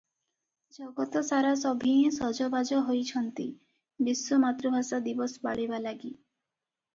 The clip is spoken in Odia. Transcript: ଜଗତ ସାରା ସଭିଏଁ ସଜବାଜ ହୋଇଛନ୍ତି ବିଶ୍ୱ ମାତୃଭାଷା ଦିବସ ପାଳିବା ଲାଗି ।